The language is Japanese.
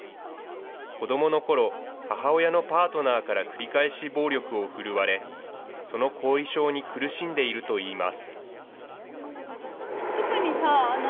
子どものころ、母親のパートナーから繰り返し暴力を振るわれ、その後遺症に苦しんでいるといいます。